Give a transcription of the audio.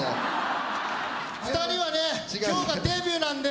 ２人はね今日がデビューなんで。